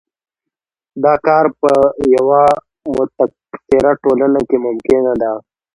دا کار په یوه متکثره ټولنه کې ممکنه ده.